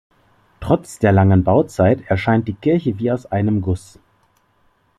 Trotz der langen Bauzeit erscheint die Kirche wie aus einem Guss.